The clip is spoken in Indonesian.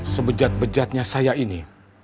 sebejat bejatnya saya ini